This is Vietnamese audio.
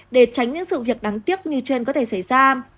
để tránh những sự việc đáng tiếc như trên có thể xảy ra